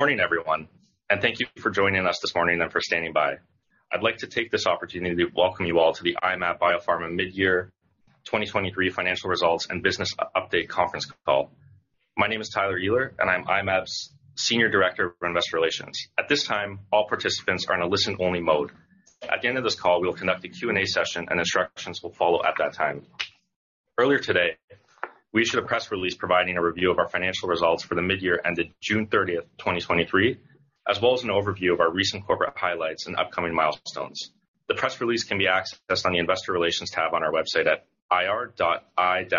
Morning, everyone, thank you for joining us this morning and for standing by. I'd like to take this opportunity to welcome you all to the I-Mab Biopharma Mid-Year 2023 Financial Results and Business Update Conference Call. My name is Tyler Ehler, I'm I-Mab's senior director of Investor Relations. At this time, all participants are in a listen-only mode. At the end of this call, we will conduct a Q&A session, instructions will follow at that time. Earlier today, we issued a press release providing a review of our financial results for the midyear ended June 30th, 2023, as well as an overview of our recent corporate highlights and upcoming milestones. The press release can be accessed on the Investor Relations tab on our website at I-Mab.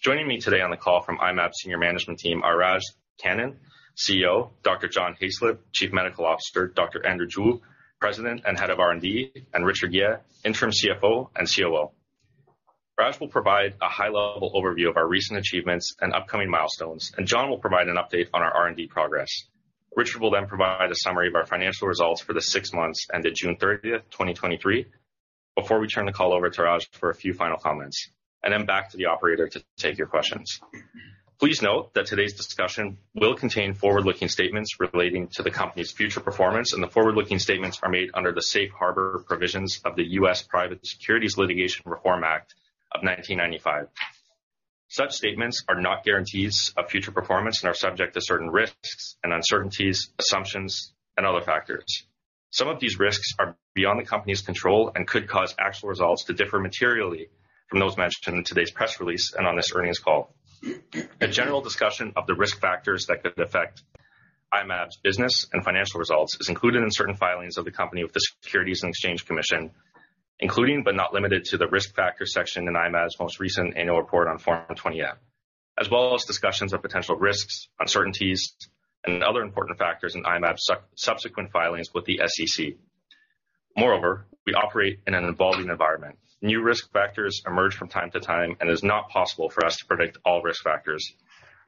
Joining me today on the call from I-Mab senior management team are Raj Kannan, CEO, Dr. John Hayslip, Chief Medical Officer, Dr. Andrew Zhu, President and Head of R&D, and Richard Ye, Interim CFO and COO. Raj will provide a high-level overview of our recent achievements and upcoming milestones. John will provide an update on our R&D progress. Richard will then provide a summary of our financial results for the 6 months ended June 30th, 2023, before we turn the call over to Raj for a few final comments. Then back to the operator to take your questions. Please note that today's discussion will contain forward-looking statements relating to the company's future performance. The forward-looking statements are made under the Safe Harbor provisions of the U.S. Private Securities Litigation Reform Act of 1995. Such statements are not guarantees of future performance and are subject to certain risks and uncertainties, assumptions, and other factors. Some of these risks are beyond the company's control and could cause actual results to differ materially from those mentioned in today's press release and on this earnings call. A general discussion of the risk factors that could affect I-Mab's business and financial results is included in certain filings of the company with the Securities and Exchange Commission, including, but not limited to, the Risk Factors section in I-Mab's most recent annual report on Form 20-F, as well as discussions of potential risks, uncertainties, and other important factors in I-Mab's subsequent filings with the SEC. Moreover, we operate in an evolving environment. New risk factors emerge from time to time, and it is not possible for us to predict all risk factors,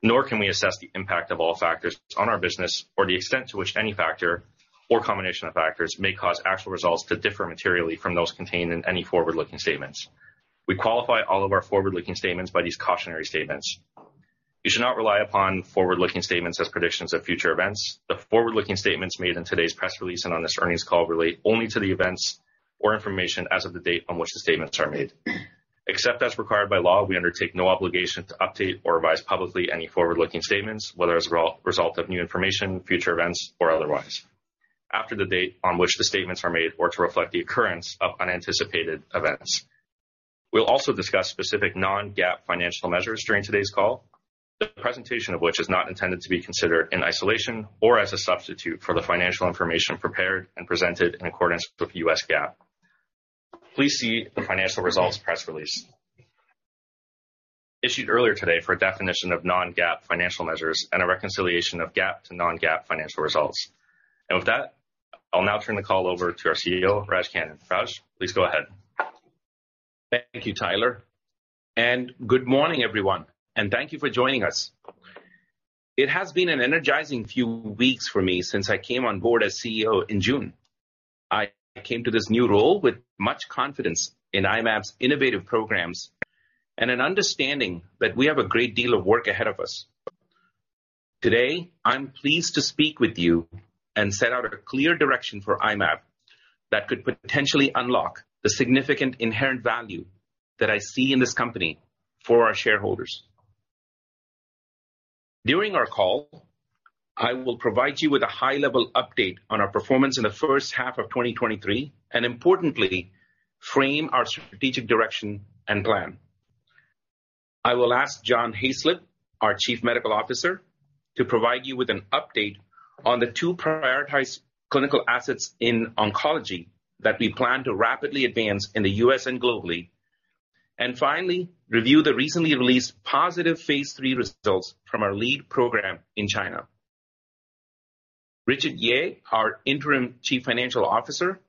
nor can we assess the impact of all factors on our business or the extent to which any factor or combination of factors may cause actual results to differ materially from those contained in any forward-looking statements. We qualify all of our forward-looking statements by these cautionary statements. You should not rely upon forward-looking statements as predictions of future events. The forward-looking statements made in today's press release and on this earnings call relate only to the events or information as of the date on which the statements are made. Except as required by law, we undertake no obligation to update or revise publicly any forward-looking statements, whether as a result of new information, future events, or otherwise, after the date on which the statements are made or to reflect the occurrence of unanticipated events. We'll also discuss specific non-GAAP financial measures during today's call, the presentation of which is not intended to be considered in isolation or as a substitute for the financial information prepared and presented in accordance with U.S. GAAP. Please see the financial results press release issued earlier today for a definition of non-GAAP financial measures and a reconciliation of GAAP to non-GAAP financial results. With that, I'll now turn the call over to our CEO, Raj Kannan. Raj, please go ahead. Thank you, Tyler. Good morning, everyone, and thank you for joining us. It has been an energizing few weeks for me since I came on board as CEO in June. I came to this new role with much confidence in I-Mab's innovative programs and an understanding that we have a great deal of work ahead of us. Today, I'm pleased to speak with you and set out a clear direction for I-Mab that could potentially unlock the significant inherent value that I see in this company for our shareholders. During our call, I will provide you with a high-level update on our performance in the first half of 2023. Importantly, frame our strategic direction and plan. I will ask John Hayslip, our Chief Medical Officer, to provide you with an update on the 2 prioritized clinical assets in oncology that we plan to rapidly advance in the U.S. and globally. Finally, review the recently released positive phase 3 results from our lead program in China. Richard Ye, our Interim Chief Financial Officer,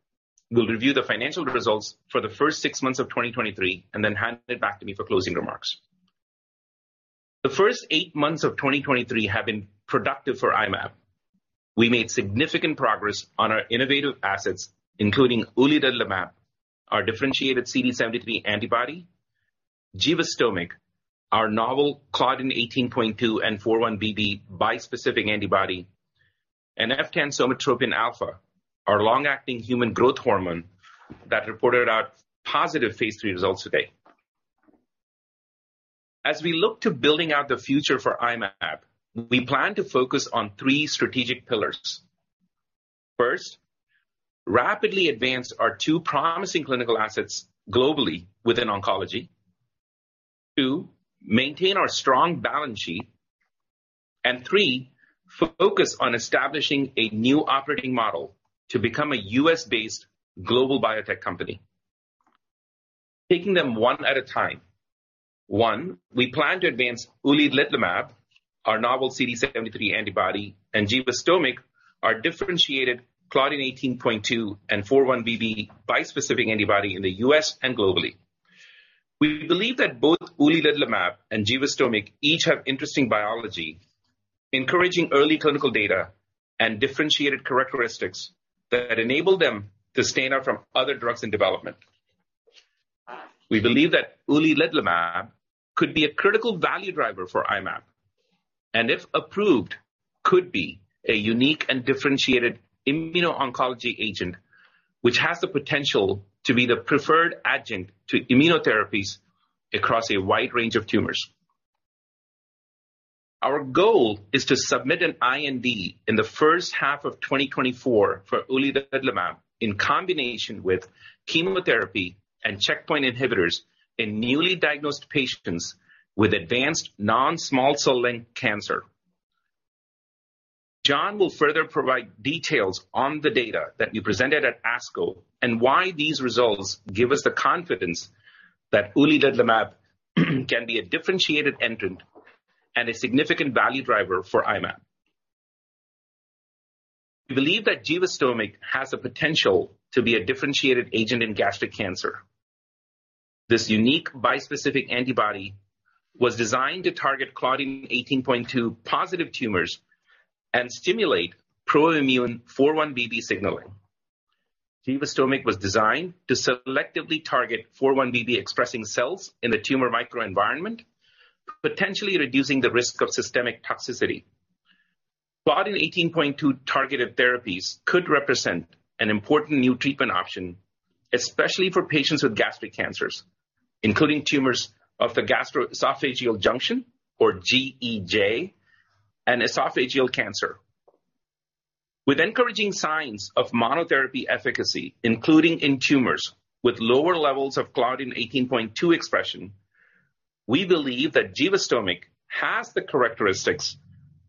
will review the financial results for the first 6 months of 2023, and then hand it back to me for closing remarks. The first 8 months of 2023 have been productive for I-Mab. We made significant progress on our innovative assets, including uliledlimab, our differentiated CD73 antibody, givastomig, our novel claudin 18.2 and 4-1BB bispecific antibody, and eftansomatropin alfa, our long-acting human growth hormone that reported out positive phase 3 results today. As we look to building out the future for I-Mab, we plan to focus on 3 strategic pillars. First, rapidly advance our 2 promising clinical assets globally within oncology. 2, maintain our strong balance sheet. 3, focus on establishing a new operating model to become a US-based global biotech company. Taking them 1 at a time. 1, we plan to advance uliledlimab, our novel CD73 antibody, and givastomig, our differentiated claudin 18.2 and 4-1BB bispecific antibody in the US and globally. We believe that both uliledlimab and givastomig each have interesting biology, encouraging early clinical data, and differentiated characteristics that enable them to stand out from other drugs in development. We believe that uliledlimab could be a critical value driver for I-Mab, if approved, could be a unique and differentiated immuno-oncology agent, which has the potential to be the preferred adjunct to immunotherapies across a wide range of tumors. Our goal is to submit an IND in the first half of 2024 for uliledlimab in combination with chemotherapy and checkpoint inhibitors in newly diagnosed patients with advanced non-small cell lung cancer. John will further provide details on the data that we presented at ASCO and why these results give us the confidence that uliledlimab can be a differentiated entrant and a significant value driver for I-Mab. We believe that Givastomig has the potential to be a differentiated agent in gastric cancer. This unique bispecific antibody was designed to target claudin 18.2 positive tumors and stimulate pro-immune 4-1BB signaling. Givastomig was designed to selectively target 4-1BB expressing cells in the tumor microenvironment, potentially reducing the risk of systemic toxicity. Claudin 18.2 targeted therapies could represent an important new treatment option, especially for patients with gastric cancers, including tumors of the gastroesophageal junction, or GEJ, and esophageal cancer. With encouraging signs of monotherapy efficacy, including in tumors with lower levels of claudin 18.2 expression, we believe that Givastomig has the characteristics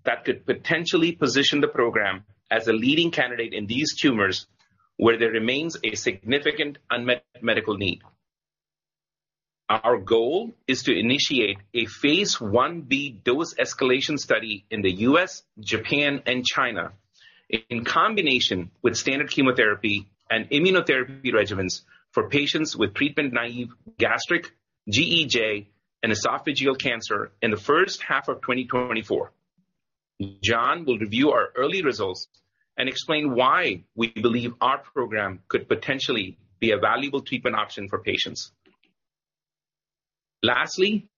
that could potentially position the program as a leading candidate in these tumors, where there remains a significant unmet medical need. Our goal is to initiate a phase 1B dose escalation study in the US, Japan, and China, in combination with standard chemotherapy and immunotherapy regimens for patients with treatment-naive gastric, GEJ, and esophageal cancer in the first half of 2024. John will review our early results and explain why we believe our program could potentially be a valuable treatment option for patients. Lastly,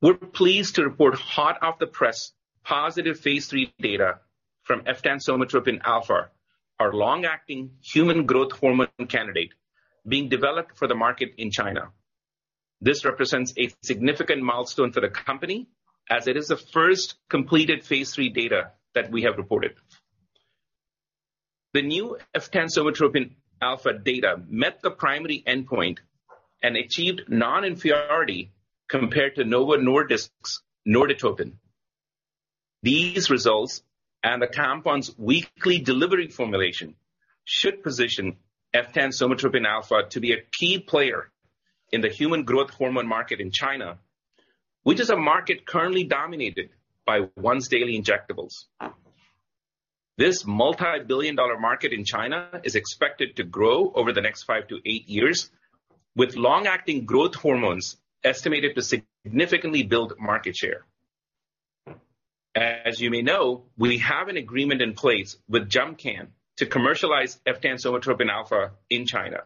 we're pleased to report hot-off-the-press, positive phase 3 data from eftansomatropin alfa, our long-acting human growth hormone candidate being developed for the market in China. This represents a significant milestone for the company as it is the first completed phase 3 data that we have reported. The new eftansomatropin alfa data met the primary endpoint and achieved non-inferiority compared to Novo Nordisk's Norditropin. These results and the compound's weekly delivery formulation should position eftansomatropin alfa to be a key player in the human growth hormone market in China, which is a market currently dominated by once-daily injectables. This multi-billion dollar market in China is expected to grow over the next five to eight years, with long-acting growth hormones estimated to significantly build market share. As you may know, we have an agreement in place with Jumpcan to commercialize eftansomatropin alfa in China.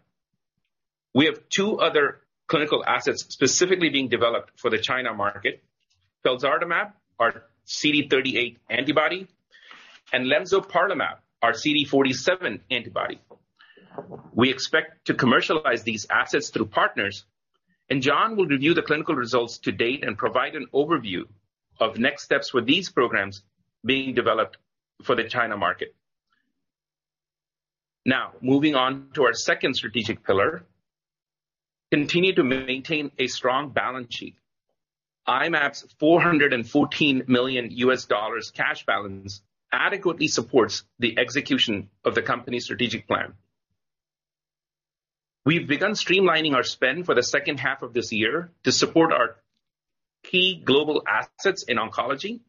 We have two other clinical assets specifically being developed for the China market. felzartamab, our CD38 antibody, and Lemzoparlimab, our CD47 antibody. John will review the clinical results to date and provide an overview of next steps for these programs being developed for the China market. Moving on to our second strategic pillar, continue to maintain a strong balance sheet. I-Mab's $414 million cash balance adequately supports the execution of the company's strategic plan. We've begun streamlining our spend for the second half of this year to support our key global assets in oncology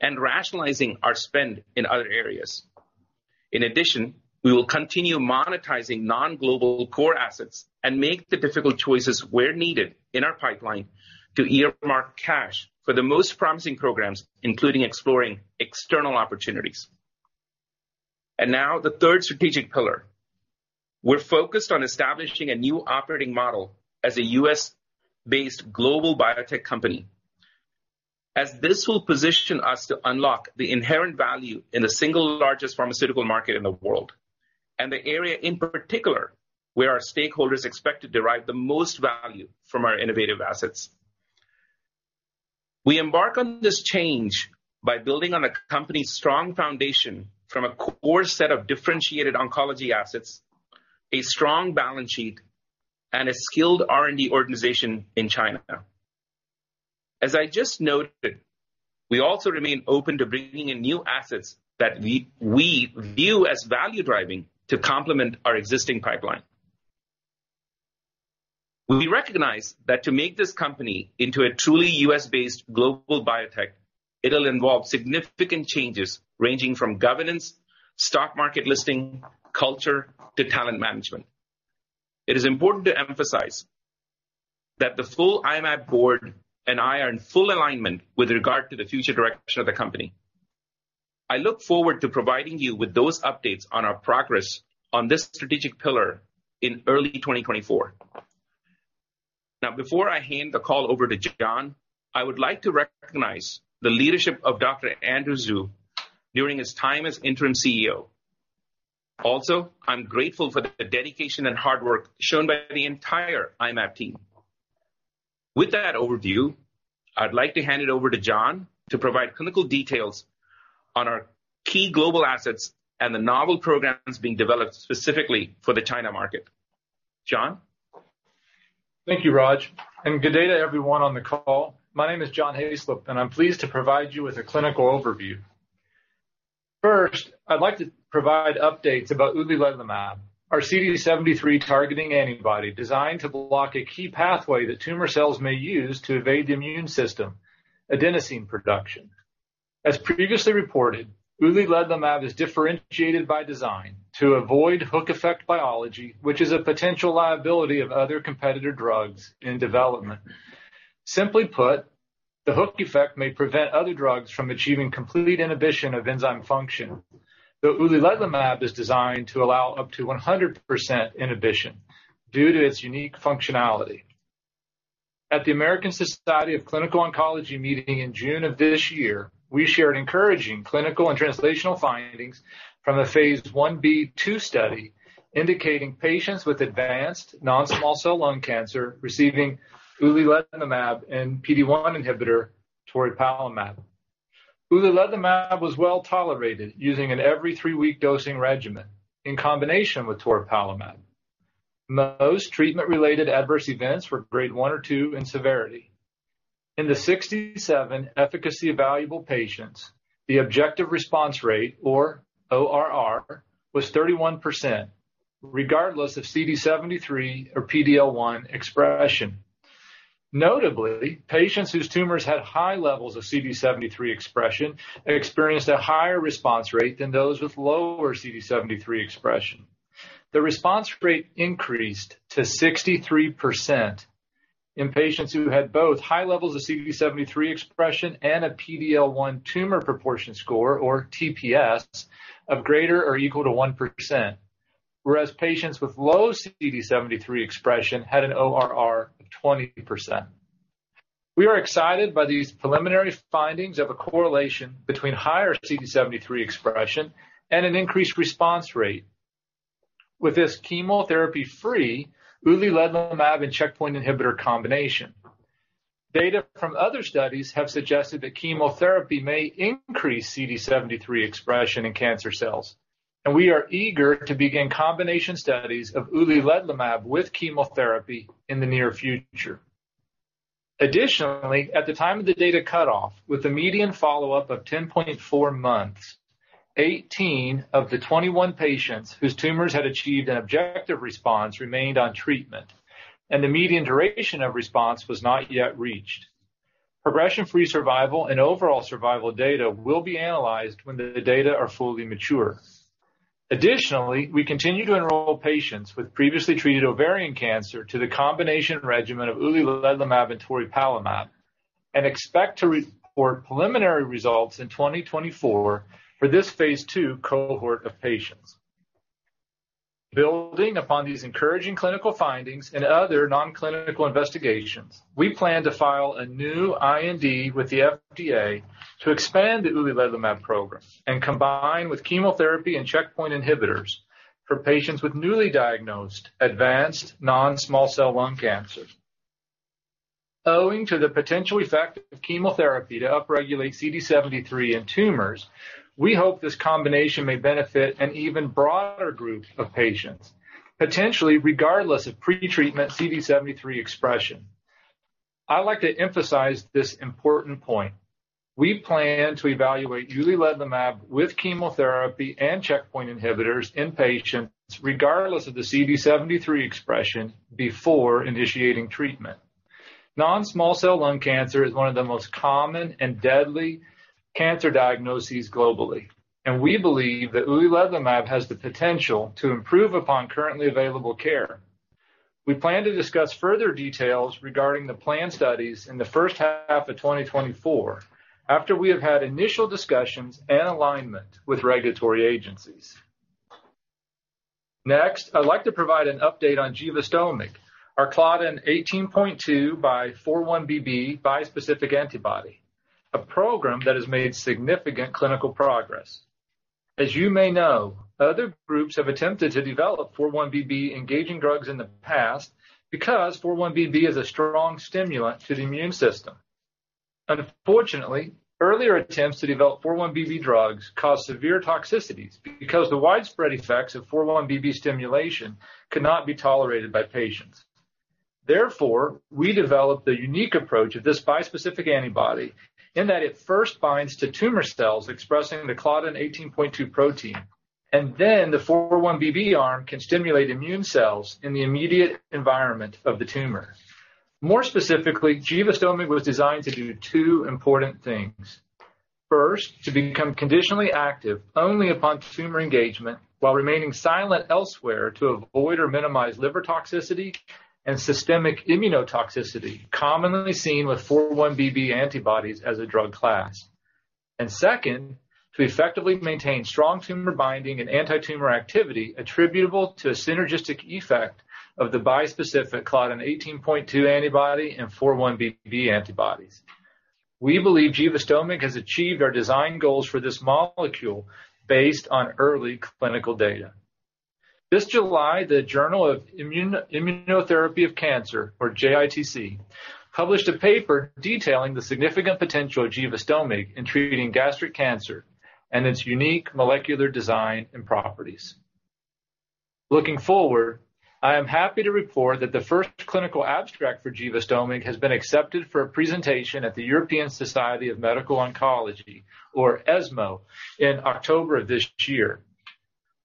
and rationalizing our spend in other areas. In addition, we will continue monetizing non-global core assets and make the difficult choices where needed in our pipeline to earmark cash for the most promising programs, including exploring external opportunities. Now the third strategic pillar. We're focused on establishing a new operating model as a U.S.-based global biotech company. This will position us to unlock the inherent value in the single largest pharmaceutical market in the world, and the area in particular, where our stakeholders expect to derive the most value from our innovative assets. We embark on this change by building on a company's strong foundation from a core set of differentiated oncology assets, a strong balance sheet, and a skilled R&D organization in China. I just noted, we also remain open to bringing in new assets that we view as value-driving to complement our existing pipeline. We recognize that to make this company into a truly U.S.-based global biotech, it'll involve significant changes ranging from governance, stock market listing, culture, to talent management. It is important to emphasize that the full I-Mab board and I are in full alignment with regard to the future direction of the company. I look forward to providing you with those updates on our progress on this strategic pillar in early 2024. Now, before I hand the call over to John, I would like to recognize the leadership of Dr. Andrew Zhu during his time as interim CEO. Also, I'm grateful for the dedication and hard work shown by the entire I-Mab team. With that overview, I'd like to hand it over to John to provide clinical details on our key global assets and the novel programs being developed specifically for the China market. John? Thank you, Raj, and good day to everyone on the call. My name is John Hayslip, and I'm pleased to provide you with a clinical overview. First, I'd like to provide updates about uliledlimab, our CD73 targeting antibody, designed to block a key pathway that tumor cells may use to evade the immune system, adenosine production. As previously reported, uliledlimab is differentiated by design to avoid hook effect biology, which is a potential liability of other competitor drugs in development. Simply put, the hook effect may prevent other drugs from achieving complete inhibition of enzyme function, though uliledlimab is designed to allow up to 100% inhibition due to its unique functionality. At the American Society of Clinical Oncology meeting in June of this year, we shared encouraging clinical and translational findings from a phase 1B/2 study, indicating patients with advanced non-small cell lung cancer receiving uliledlimab and PD-1 inhibitor toripalimab. Uliledlimab was well tolerated, using an every 3-week dosing regimen in combination with toripalimab. Most treatment-related adverse events were grade 1 or 2 in severity. In the 67 efficacy evaluable patients, the objective response rate, or ORR, was 31%, regardless of CD73 or PD-L1 expression. Notably, patients whose tumors had high levels of CD73 expression experienced a higher response rate than those with lower CD73 expression. The response rate increased to 63% in patients who had both high levels of CD73 expression and a PD-L1 Tumor Proportion Score, or TPS, of greater or equal to 1%, whereas patients with low CD73 expression had an ORR of 20%. We are excited by these preliminary findings of a correlation between higher CD73 expression and an increased response rate. With this chemotherapy-free uliledlimab and checkpoint inhibitor combination. Data from other studies have suggested that chemotherapy may increase CD73 expression in cancer cells, and we are eager to begin combination studies of uliledlimab with chemotherapy in the near future. At the time of the data cutoff, with a median follow-up of 10.4 months, 18 of the 21 patients whose tumors had achieved an objective response remained on treatment, and the median duration of response was not yet reached. Progression-free survival and overall survival data will be analyzed when the data are fully mature. We continue to enroll patients with previously treated ovarian cancer to the combination regimen of uliledlimab and toripalimab, and expect to report preliminary results in 2024 for this phase 2 cohort of patients. Building upon these encouraging clinical findings and other non-clinical investigations, we plan to file a new IND with the FDA to expand the uliledlimab program and combine with chemotherapy and checkpoint inhibitors for patients with newly diagnosed advanced non-small cell lung cancer. Owing to the potential effect of chemotherapy to upregulate CD73 in tumors, we hope this combination may benefit an even broader group of patients, potentially regardless of pretreatment CD73 expression. I'd like to emphasize this important point. We plan to evaluate uliledlimab with chemotherapy and checkpoint inhibitors in patients, regardless of the CD73 expression, before initiating treatment. non-small cell lung cancer is one of the most common and deadly cancer diagnoses globally, and we believe that uliledlimab has the potential to improve upon currently available care. We plan to discuss further details regarding the plan studies in the first half of 2024, after we have had initial discussions and alignment with regulatory agencies. Next, I'd like to provide an update on Givastomig, our claudin 18.2 by 4-1BB bispecific antibody, a program that has made significant clinical progress. As you may know, other groups have attempted to develop 4-1BB engaging drugs in the past because 4-1BB is a strong stimulant to the immune system. Unfortunately, earlier attempts to develop 4-1BB drugs caused severe toxicities because the widespread effects of 4-1BB stimulation could not be tolerated by patients. Therefore, we developed a unique approach of this bispecific antibody in that it first binds to tumor cells expressing the claudin 18.2 protein, and then the 4-1BB arm can stimulate immune cells in the immediate environment of the tumor. More specifically, Givastomig was designed to do two important things. First, to become conditionally active only upon tumor engagement, while remaining silent elsewhere to avoid or minimize liver toxicity and systemic immunotoxicity, commonly seen with 4-1BB antibodies as a drug class. Second, to effectively maintain strong tumor binding and anti-tumor activity attributable to a synergistic effect of the bispecific claudin 18.2 antibody and 4-1BB antibodies. We believe Givastomig has achieved our design goals for this molecule based on early clinical data. This July, the Journal for ImmunoTherapy of Cancer, or JITC, published a paper detailing the significant potential of Givastomig in treating gastric cancer and its unique molecular design and properties. Looking forward, I am happy to report that the first clinical abstract for Givastomig has been accepted for a presentation at the European Society for Medical Oncology, or ESMO, in October of this year.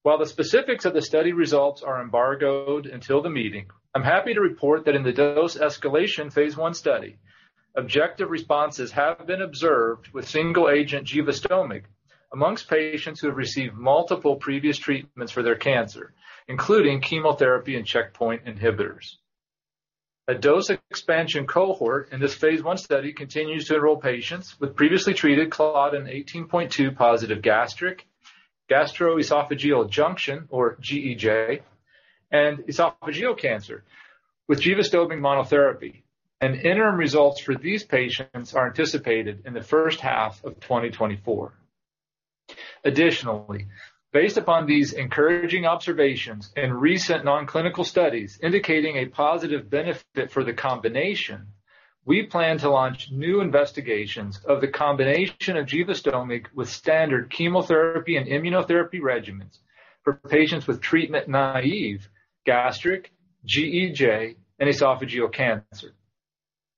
While the specifics of the study results are embargoed until the meeting, I'm happy to report that in the dose escalation phase 1 study, objective responses have been observed with single agent Givastomig amongst patients who have received multiple previous treatments for their cancer, including chemotherapy and checkpoint inhibitors. A dose expansion cohort in this phase one study continues to enroll patients with previously treated claudin 18.2-positive gastric, gastroesophageal junction or GEJ, and esophageal cancer with Givastomig monotherapy, and interim results for these patients are anticipated in the first half of 2024. Additionally, based upon these encouraging observations and recent non-clinical studies indicating a positive benefit for the combination, we plan to launch new investigations of the combination of Givastomig with standard chemotherapy and immunotherapy regimens for patients with treatment-naive gastric, GEJ, and esophageal cancer.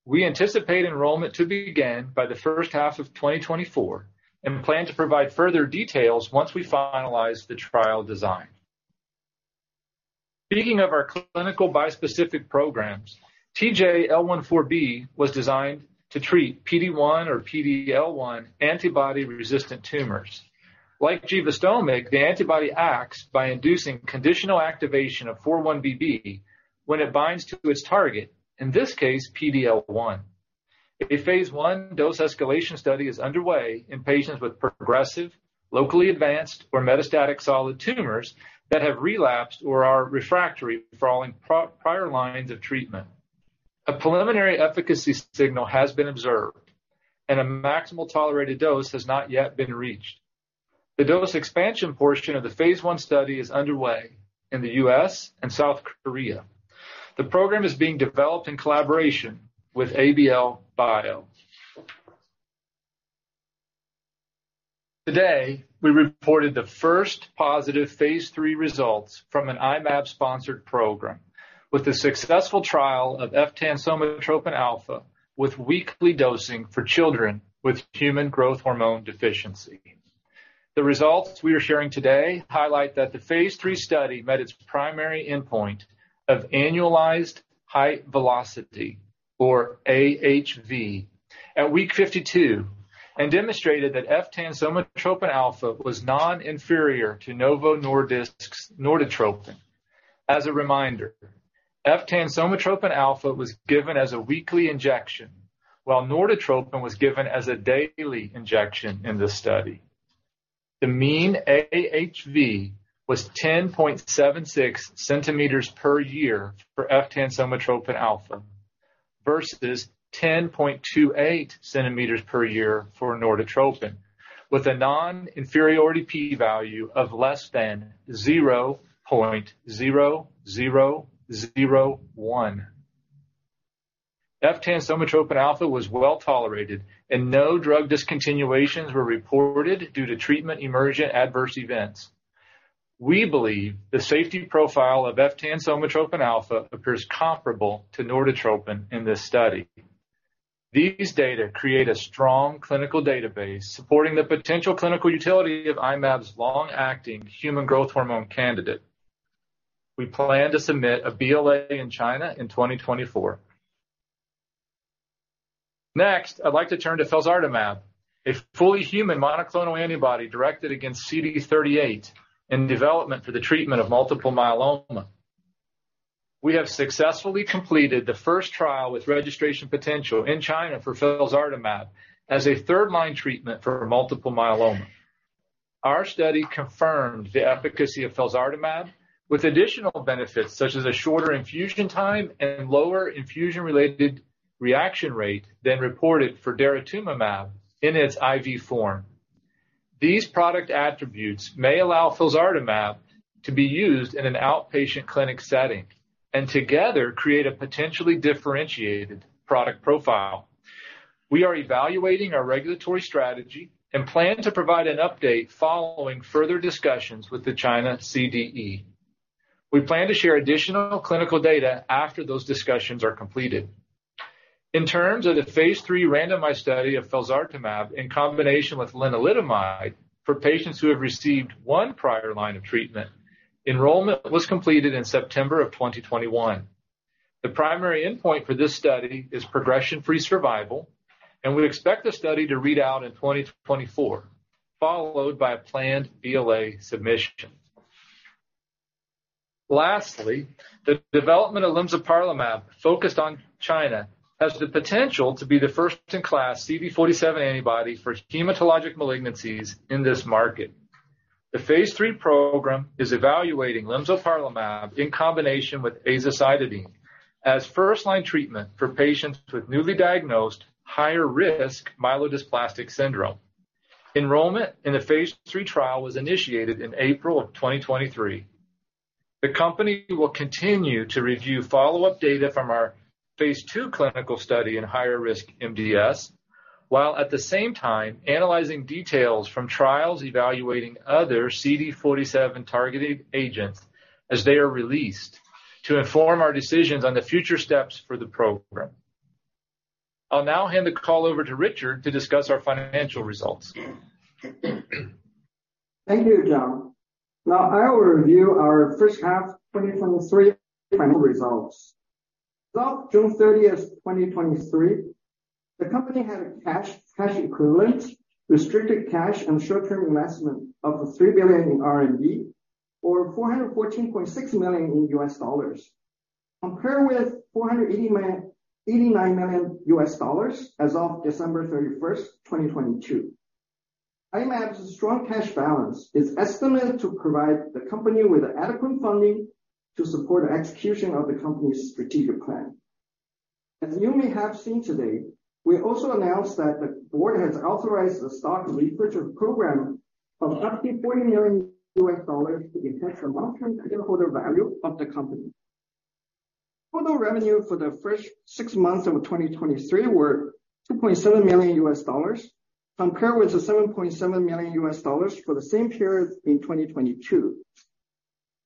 We anticipate enrollment to begin by the first half of 2024 and plan to provide further details once we finalize the trial design. Speaking of our clinical bispecific programs, TJ-L14B was designed to treat PD-1 or PD-L1 antibody-resistant tumors. Like Givastomig, the antibody acts by inducing conditional activation of 4-1BB when it binds to its target, in this case, PD-L1. A phase 1 dose escalation study is underway in patients with progressive, locally advanced or metastatic solid tumors that have relapsed or are refractory following prior lines of treatment. A preliminary efficacy signal has been observed, and a maximal tolerated dose has not yet been reached. The dose expansion portion of the phase 1 study is underway in the U.S. and South Korea. The program is being developed in collaboration with ABL Bio. Today, we reported the first positive phase 3 results from an I-Mab-sponsored program with the successful trial of eftansomatropin alfa with weekly dosing for children with human growth hormone deficiency. The results we are sharing today highlight that the phase 3 study met its primary endpoint of annualized height velocity, or AHV, at week 52, and demonstrated that eftansomatropin alfa was non-inferior to Novo Nordisk's Norditropin. As a reminder, eftansomatropin alfa was given as a weekly injection, while Norditropin was given as a daily injection in this study. The mean AHV was 10.76 centimeters per year for eftansomatropin alfa versus 10.28 centimeters per year for Norditropin, with a non-inferiority P value of less than 0.0001. Eftansomatropin alfa was well tolerated, and no drug discontinuations were reported due to treatment-emergent adverse events. We believe the safety profile of eftansomatropin alfa appears comparable to Norditropin in this study. These data create a strong clinical database supporting the potential clinical utility of I-Mab's long-acting human growth hormone candidate. We plan to submit a BLA in China in 2024. Next, I'd like to turn to Felzartamab, a fully human monoclonal antibody directed against CD38 in development for the treatment of multiple myeloma. We have successfully completed the first trial with registration potential in China for Felzartamab as a third-line treatment for multiple myeloma. Our study confirmed the efficacy of Felzartamab, with additional benefits such as a shorter infusion time and lower infusion-related reaction rate than reported for daratumumab in its IV form. These product attributes may allow Felzartamab to be used in an outpatient clinic setting and together create a potentially differentiated product profile. We are evaluating our regulatory strategy and plan to provide an update following further discussions with the China CDE. We plan to share additional clinical data after those discussions are completed. In terms of the phase 3 randomized study of Felzartamab in combination with lenalidomide for patients who have received one prior line of treatment, enrollment was completed in September of 2021. The primary endpoint for this study is progression-free survival, and we expect the study to read out in 2024, followed by a planned BLA submission. Lastly, the development of Lemzoparlimab focused on China, has the potential to be the first-in-class CD47 antibody for hematologic malignancies in this market. The phase 3 program is evaluating Lemzoparlimab in combination with azacitidine as first-line treatment for patients with newly diagnosed higher risk myelodysplastic syndrome. Enrollment in the phase 3 trial was initiated in April of 2023. The company will continue to review follow-up data from our phase 2 clinical study in higher risk MDS, while at the same time analyzing details from trials evaluating other CD47 targeted agents as they are released, to inform our decisions on the future steps for the program. I'll now hand the call over to Richard to discuss our financial results. Thank you, John. Now, I will review our first half 2023 final results. As of June 30, 2023, the company had a cash, cash equivalent, restricted cash, and short-term investment of 3 billion, or $414.6 million, compared with $489 million as of December 31, 2022. I-Mab's strong cash balance is estimated to provide the company with adequate funding to support the execution of the company's strategic plan. As you may have seen today, we also announced that the board has authorized a stock repurchase program of up to $40 million to enhance the long-term shareholder value of the company. Total revenue for the first six months of 2023 were $2.7 million, compared with the $7.7 million for the same period in 2022.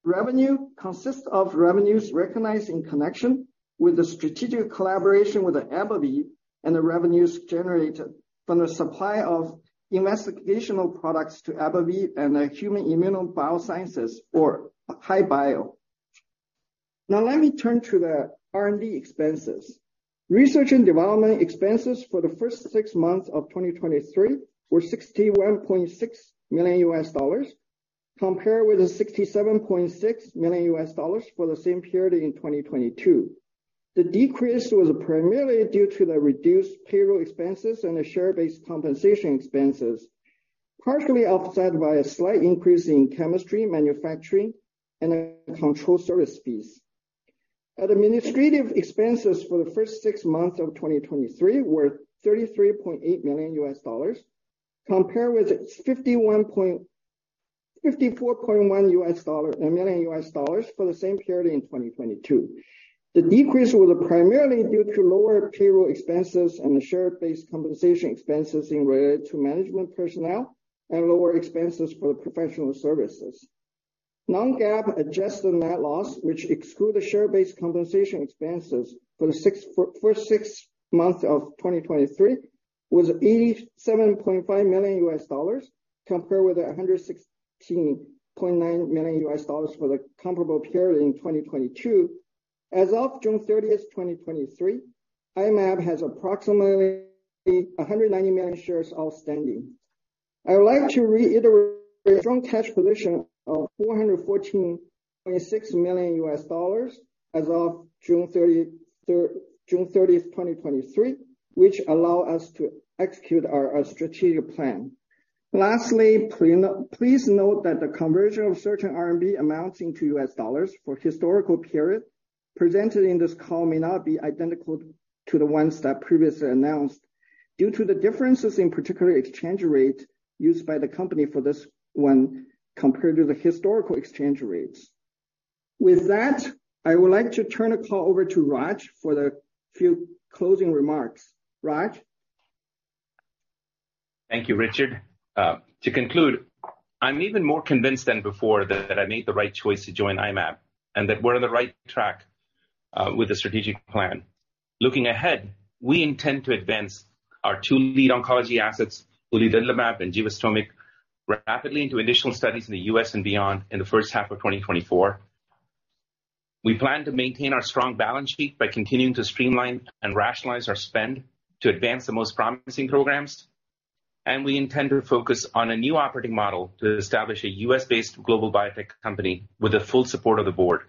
Revenue consists of revenues recognized in connection with the strategic collaboration with AbbVie, and the revenues generated from the supply of investigational products to AbbVie and Human Immunology Biosciences, or HI-Bio. Now, let me turn to the R&D expenses. Research and development expenses for the first six months of 2023 were $61.6 million, compared with the $67.6 million for the same period in 2022. The decrease was primarily due to the reduced payroll expenses and the share-based compensation expenses, partially offset by a slight increase in chemistry, manufacturing, and control service fees. Administrative expenses for the first six months of 2023 were $33.8 million, compared with $54.1 million for the same period in 2022. The decrease was primarily due to lower payroll expenses and the share-based compensation expenses in related to management personnel, and lower expenses for professional services. Non-GAAP adjusted net loss, which exclude the share-based compensation expenses for six months of 2023, was $87.5 million, compared with $116.9 million for the comparable period in 2022. As of June 30, 2023, I-Mab has approximately 190 million shares outstanding. I would like to reiterate the strong cash position of $414.6 million as of June 30, 2023, which allow us to execute our strategic plan. Lastly, please note that the conversion of certain RMB amounting to US dollars for historical period presented in this call may not be identical to the ones that previously announced, due to the differences in particular exchange rate used by the company for this one, compared to the historical exchange rates. With that, I would like to turn the call over to Raj for the few closing remarks. Raj? Thank you, Richard. To conclude, I'm even more convinced than before that I made the right choice to join I-Mab, that we're on the right track with the strategic plan. Looking ahead, we intend to advance our two lead oncology assets, uliledlimab and Givastomig, rapidly into additional studies in the U.S. and beyond in the first half of 2024. We plan to maintain our strong balance sheet by continuing to streamline and rationalize our spend to advance the most promising programs. We intend to focus on a new operating model to establish a U.S.-based global biotech company with the full support of the board.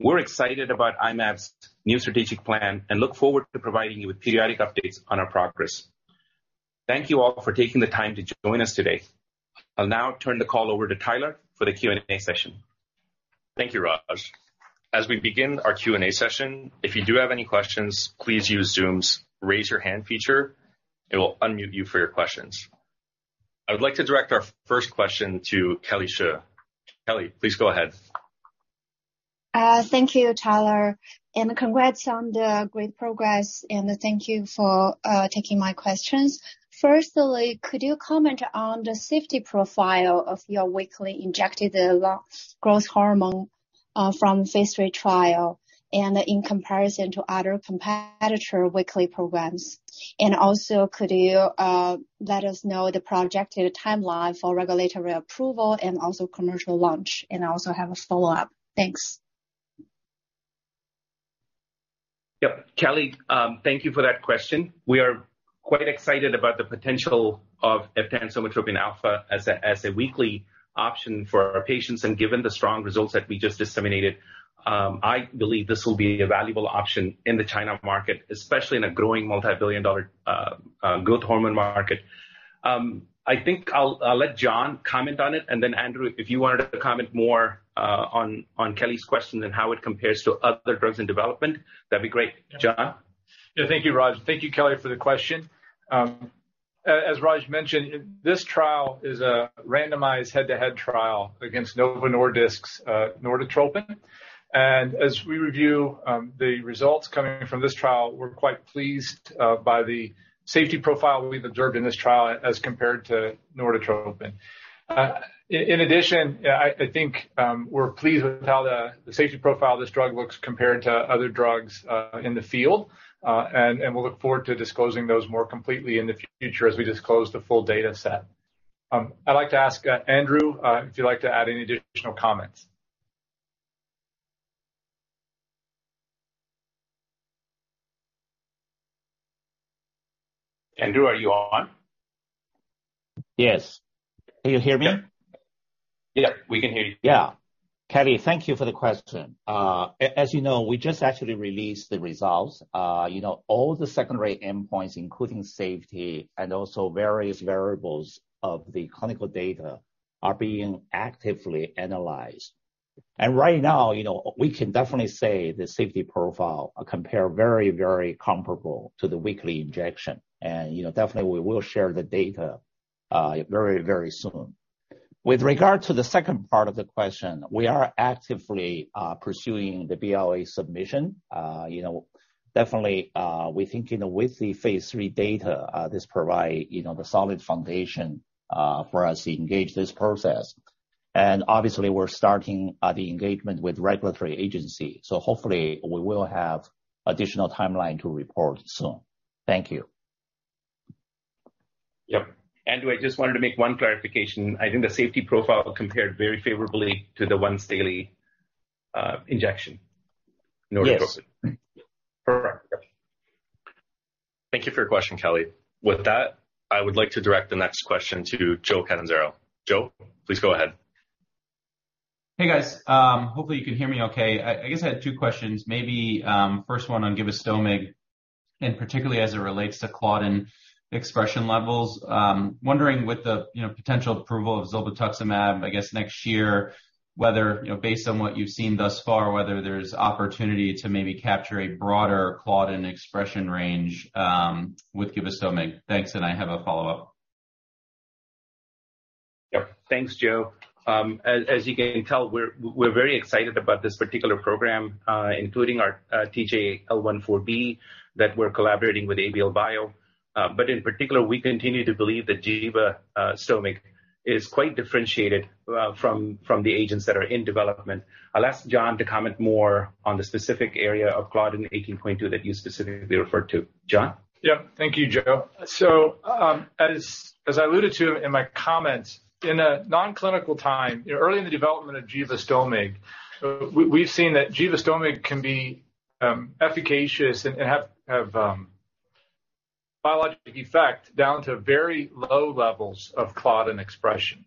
We're excited about I-Mab's new strategic plan and look forward to providing you with periodic updates on our progress. Thank you all for taking the time to join us today. I'll now turn the call over to Tyler for the Q&A session. Thank you, Raj. As we begin our Q&A session, if you do have any questions, please use Zoom's Raise Your Hand feature. It will unmute you for your questions. I would like to direct our first question to Kelly Shi. Kelly, please go ahead. Thank you, Tyler, and congrats on the great progress, and thank you for taking my questions. Firstly, could you comment on the safety profile of your weekly injected growth hormone from phase 3 trial, and in comparison to other competitor weekly programs? Also, could you let us know the projected timeline for regulatory approval and also commercial launch? I also have a follow-up. Thank you.... Yep. Kelly, thank you for that question. We are quite excited about the potential of eftansomatropin alfa as a weekly option for our patients, and given the strong results that we just disseminated, I believe this will be a valuable option in the China market, especially in a growing multi-billion dollar growth hormone market. I think I'll let John comment on it, and then Andrew, if you wanted to comment more on Kelly's question and how it compares to other drugs in development, that'd be great. John? Yeah. Thank you, Raj. Thank you, Kelly, for the question. As Raj mentioned, this trial is a randomized head-to-head trial against Novo Nordisk's norditropin. As we review the results coming from this trial, we're quite pleased by the safety profile we've observed in this trial as compared to norditropin. In addition, I think we're pleased with how the safety profile of this drug looks compared to other drugs in the field. We'll look forward to disclosing those more completely in the future as we disclose the full data set. I'd like to ask Andrew if you'd like to add any additional comments. Andrew, are you on? Yes. Can you hear me? Yeah, we can hear you. can definitely say the safety profile compare very, very comparable to the weekly injection, and, you know, definitely we will share the data very, very soon. With regard to the second part of the question, we are actively pursuing the BLA submission. You know, definitely, we think, you know, with the phase 3 data, this provide, you know, the solid foundation for us to engage this process. And obviously, we're starting the engagement with regulatory agency, so hopefully we will have additional timeline to report soon. Thank you. </transcript Yep. Andrew, I just wanted to make one clarification. I think the safety profile compared very favorably to the once daily injection, Norditropin. Yes. Perfect. Thank you for your question, Kelly. With that, I would like to direct the next question to Joe Catanzaro. Joe, please go ahead. Hey, guys. hopefully you can hear me okay. I guess I had 2 questions, maybe, first one on Givastomig, and particularly as it relates to claudin expression levels. wondering with the, you know, potential approval of zolbetuximab, I guess, next year, whether, you know, based on what you've seen thus far, whether there's opportunity to maybe capture a broader claudin expression range, with Givastomig. Thanks. I have a follow-up. Yep. Thanks, Joe. As you can tell, we're very excited about this particular program, including our TJ-L14B, that we're collaborating with ABL Bio. In particular, we continue to believe that Givastomig is quite differentiated from the agents that are in development. I'll ask John to comment more on the specific area of claudin 18.2 that you specifically referred to. John? Yeah. Thank you, Joe. As, as I alluded to in my comments, in a non-clinical time, you know, early in the development of Givastomig, we've seen that Givastomig can be efficacious and, and have, have biological effect down to very low levels of claudin expression.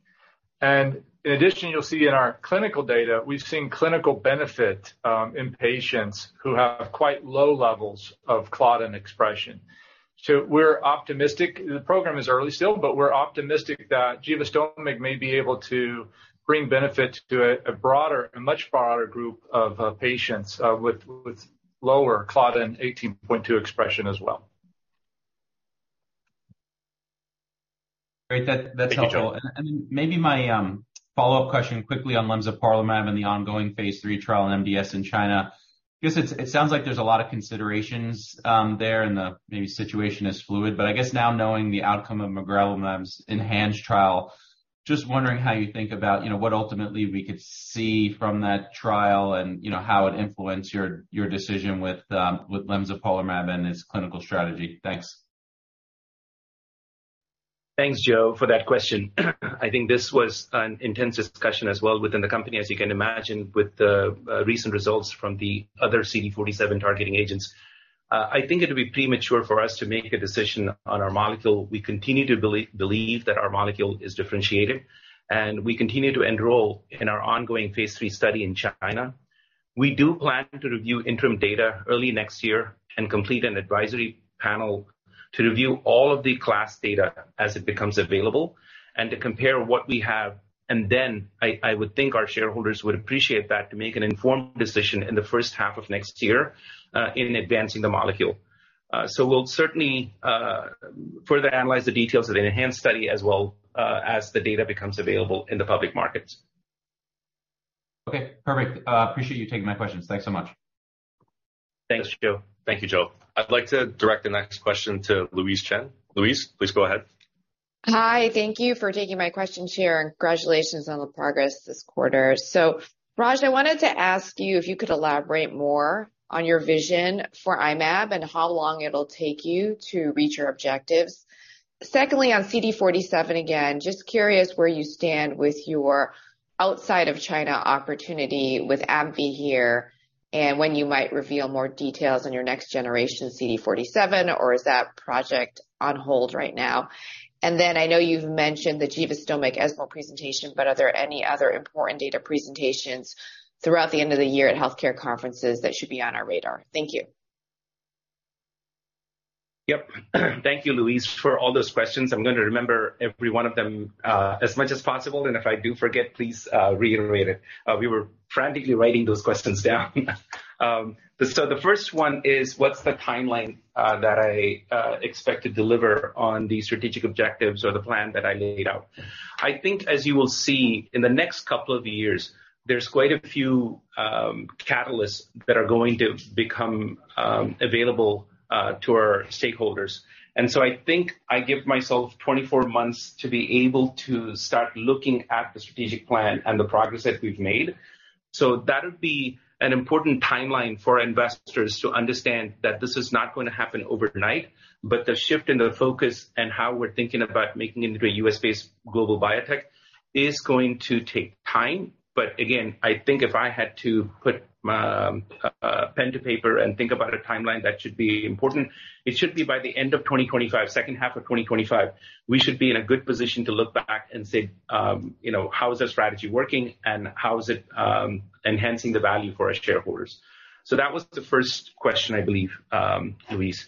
In addition, you'll see in our clinical data, we've seen clinical benefit in patients who have quite low levels of claudin expression. We're optimistic. The program is early still, but we're optimistic that Givastomig may be able to bring benefit to a, a broader, a much broader group of patients with lower claudin 18.2 expression as well. Great. That's, that's helpful. Thank you, Joe. Maybe my follow-up question quickly on Lemzoparlimab and the ongoing phase 3 trial on MDS in China. I guess it sounds like there's a lot of considerations there, and the maybe situation is fluid, but I guess now knowing the outcome of mogamulizumab's MAVORIC trial, just wondering how you think about, you know, what ultimately we could see from that trial and, you know, how it influence your decision with Lemzoparlimab and its clinical strategy. Thanks. Thanks, Joe, for that question. I think this was an intense discussion as well within the company, as you can imagine, with the recent results from the other CD47 targeting agents. I think it would be premature for us to make a decision on our molecule. We continue to believe that our molecule is differentiated, and we continue to enroll in our ongoing phase 3 study in China. We do plan to review interim data early next year and complete an advisory panel to review all of the class data as it becomes available and to compare what we have. Then I, I would think our shareholders would appreciate that to make an informed decision in the first half of next year in advancing the molecule. We'll certainly further analyze the details of the enhanced study as well, as the data becomes available in the public market. Okay, perfect. Appreciate you taking my questions. Thanks so much. Thanks, Joe. Thank you, Joe. I'd like to direct the next question to Louise Chen. Louise, please go ahead. Hi, thank you for taking my question, sir, and congratulations on the progress this quarter. Raj, I wanted to ask you if you could elaborate more on your vision for I-Mab and how long it'll take you to reach your objectives. Secondly, on CD47, again, just curious where you stand with your outside of China opportunity with AbbVie here? ... When you might reveal more details on your next generation CD47, or is that project on hold right now? I know you've mentioned the Givastomig ESMO presentation, but are there any other important data presentations throughout the end of the year at healthcare conferences that should be on our radar? Thank you. Yep. Thank you, Louise, for all those questions. I'm going to remember every one of them, as much as possible, and if I do forget, please reiterate it. We were frantically writing those questions down. The first one is, what's the timeline that I expect to deliver on the strategic objectives or the plan that I laid out? I think, as you will see, in the next couple of years, there's quite a few catalysts that are going to become available to our stakeholders. I think I give myself 24 months to be able to start looking at the strategic plan and the progress that we've made. That would be an important timeline for investors to understand that this is not going to happen overnight, but the shift in the focus and how we're thinking about making into a U.S.-based global biotech is going to take time. Again, I think if I had to put pen to paper and think about a timeline that should be important, it should be by the end of 2025, second half of 2025, we should be in a good position to look back and say, you know, "How is our strategy working and how is it enhancing the value for our shareholders?" That was the first question, I believe, Louise.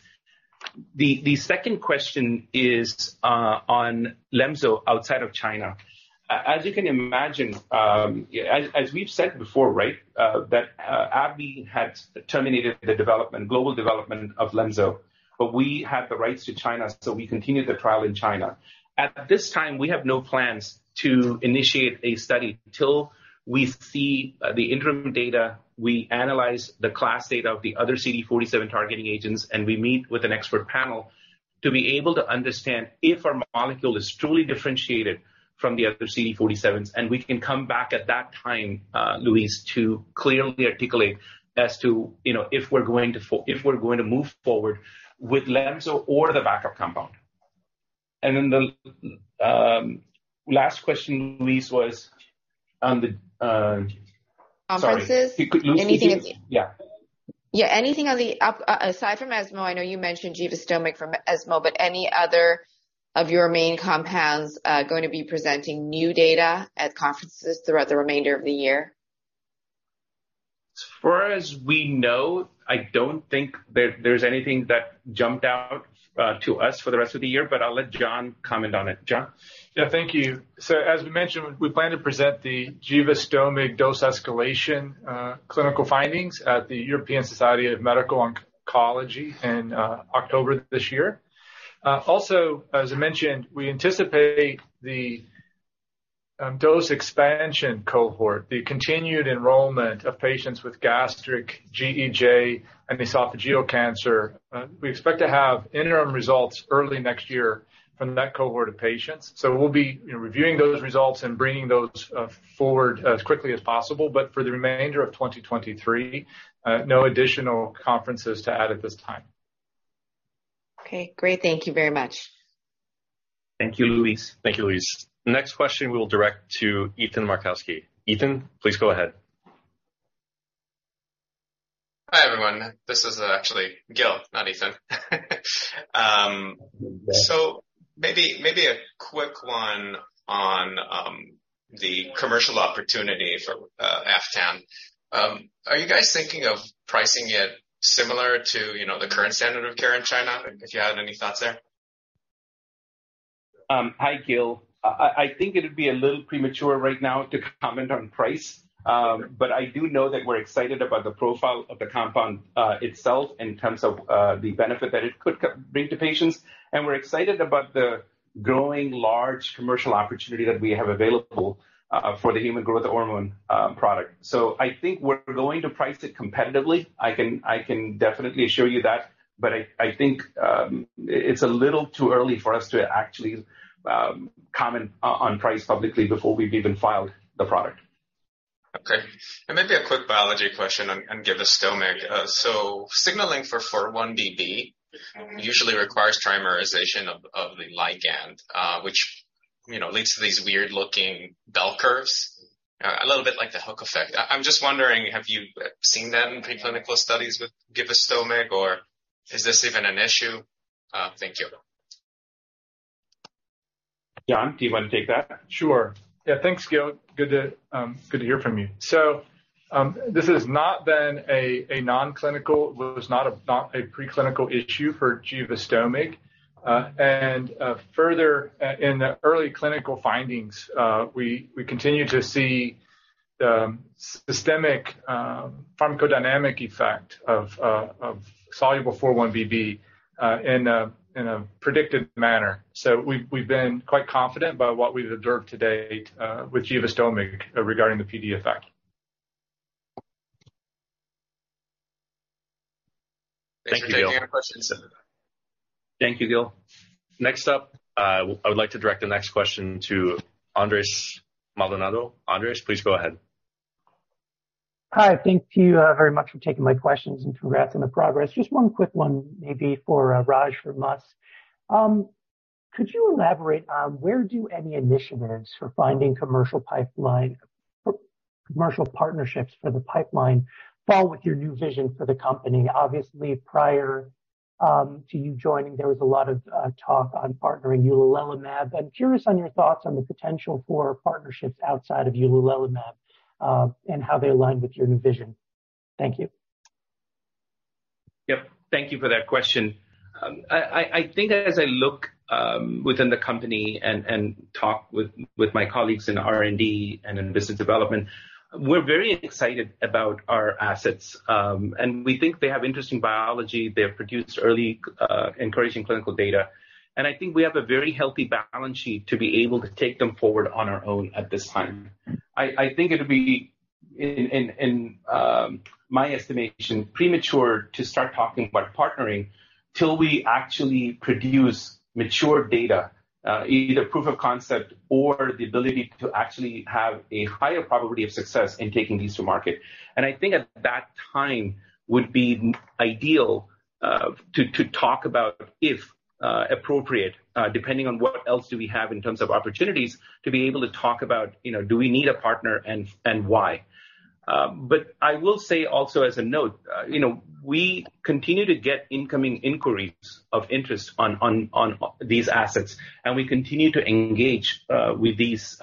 The second question is on lemzop outside of China. As you can imagine. As, as we've said before, right, that AbbVie had terminated the development, global development of Lemzop, but we had the rights to China, so we continued the trial in China. At this time, we have no plans to initiate a study till we see the interim data, we analyze the class data of the other CD47 targeting agents, and we meet with an expert panel to be able to understand if our molecule is truly differentiated from the other CD47s, and we can come back at that time, Louise, to clearly articulate as to, you know, if we're going to move forward with Lemzop or the backup compound. Then the last question, Louise, was on the, sorry. Conferences? You could- Anything- Yeah. Anything Aside from ESMO, I know you mentioned Givastomig from ESMO, but any other of your main compounds going to be presenting new data at conferences throughout the remainder of the year? As far as we know, I don't think there, there's anything that jumped out to us for the rest of the year, but I'll let John comment on it. John? Yeah, thank you. As we mentioned, we plan to present the Givastomig dose escalation, clinical findings at the European Society for Medical Oncology in October this year. As I mentioned, we anticipate the dose expansion cohort, the continued enrollment of patients with gastric, GEJ, and esophageal cancer. We expect to have interim results early next year from that cohort of patients. We'll be, you know, reviewing those results and bringing those forward as quickly as possible. For the remainder of 2023, no additional conferences to add at this time. Okay, great. Thank you very much. Thank you, Louise. Thank you, Louise. The next question we will direct to Ethan Markowski. Ethan, please go ahead. Hi, everyone. This is actually Gil, not Ethan. Maybe, maybe a quick one on the commercial opportunity for Eftan. Are you guys thinking of pricing it similar to, you know, the current standard of care in China? If you have any thoughts there. Hi, Gil. I think it would be a little premature right now to comment on price. I do know that we're excited about the profile of the compound itself in terms of the benefit that it could bring to patients. We're excited about the growing large commercial opportunity that we have available for the human growth hormone product. I think we're going to price it competitively. I can definitely assure you that, but I think it's a little too early for us to actually comment on price publicly before we've even filed the product. Okay. Maybe a quick biology question on, on Givastomig. So signaling for 4-1BB usually requires trimerization of, of the ligand, which, you know, leads to these weird-looking bell curves, a little bit like the hook effect. I'm just wondering, have you seen that in preclinical studies with Givastomig, or is this even an issue? Thank you. John, do you want to take that? Sure. Yeah, thanks, Gil. Good to, good to hear from you. This has not been a non-clinical, was not a preclinical issue for Givastomig. Further, in the early clinical findings, we continue to see the systemic pharmacodynamic effect of soluble 4-1BB, in a predicted manner. We've been quite confident by what we've observed to date, with Givastomig regarding the PD effect. Thank you. Thank you, Gil. Thank you, Gil. Next up, I would like to direct the next question to Andres Maldonado. Andres, please go ahead. Hi, thank you, very much for taking my questions. Congrats on the progress. Just one quick one, maybe for Raj from us. Could you elaborate on where do any initiatives for finding commercial pipeline, commercial partnerships for the pipeline fall with your new vision for the company? Obviously, prior to you joining, there was a lot of talk on partnering uliledlimab. I'm curious on your thoughts on the potential for partnerships outside of uliledlimab, and how they align with your new vision. Thank you. Yep. Thank you for that question. I think as I look within the company and talk with my colleagues in R&D and in business development, we're very excited about our assets. We think they have interesting biology. They have produced early, encouraging clinical data. I think we have a very healthy balance sheet to be able to take them forward on our own at this time. I think it would be, my estimation, premature to start talking about partnering till we actually produce mature data, either proof of concept or the ability to actually have a higher probability of success in taking these to market. I think at that time would be ideal, to, to talk about if, appropriate, depending on what else do we have in terms of opportunities, to be able to talk about, you know, do we need a partner and, and why? I will say also as a note, you know, we continue to get incoming inquiries of interest on, on, on, these assets, and we continue to engage with these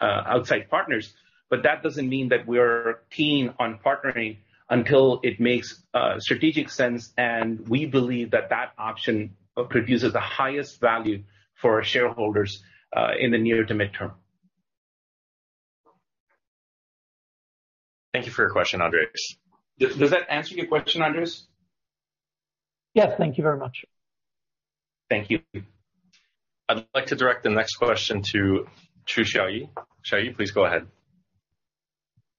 outside partners. That doesn't mean that we're keen on partnering until it makes strategic sense, and we believe that that option produces the highest value for our shareholders, in the near to mid-term. Thank you for your question, Andres. Does that answer your question, Andres? Yes. Thank you very much. Thank you. I'd like to direct the next question to Xiaoyi Lei. Xiaoyi, please go ahead.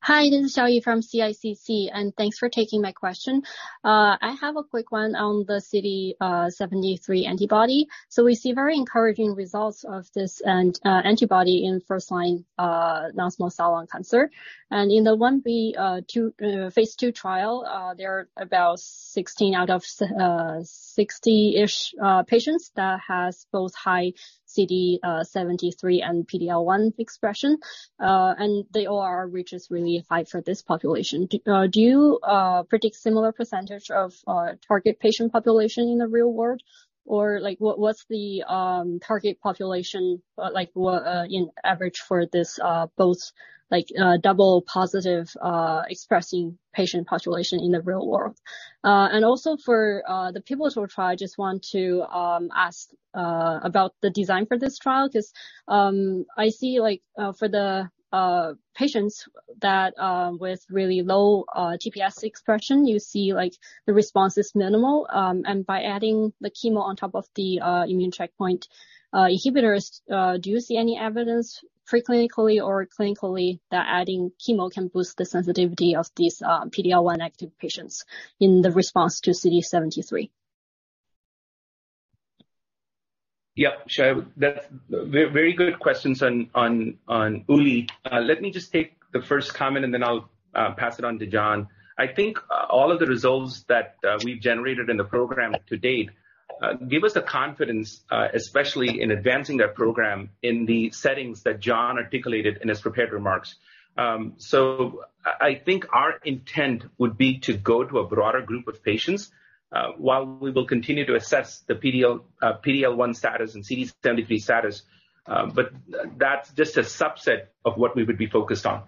Hi, this is Xiaoyi from CICC. Thanks for taking my question. I have a quick one on the CD73 antibody. We see very encouraging results of this and antibody in first-line non-small cell lung cancer. In the 1B phase 2 trial, there are about 16 out of 60-ish patients that has both high CD73 and PD-L1 expression. The OR reaches really high for this population. Do you predict similar % of target patient population in the real world? Like, what, what's the target population, like, what in average for this both, like, double positive expressing patient population in the real world? and also for, the people who try, I just want to ask about the design for this trial, 'cause, I see, like, for the patients that, with really low, TPS expression, you see, like, the response is minimal. By adding the chemo on top of the immune checkpoint inhibitors, do you see any evidence preclinically or clinically that adding chemo can boost the sensitivity of these PD-L1 active patients in the response to CD73? Yep. Xu, that's very good questions on Ulee. Let me just take the first comment, and then I'll pass it on to John. I think all of the results that we've generated in the program to date, give us the confidence, especially in advancing that program in the settings that John articulated in his prepared remarks. I, I think our intent would be to go to a broader group of patients, while we will continue to assess the PD-L1 status and CD73 status, but that's just a subset of what we would be focused on.